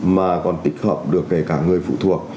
mà còn tích hợp được kể cả người phụ thuộc